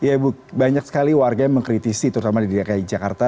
ya ibu banyak sekali warga yang mengkritisi terutama di dki jakarta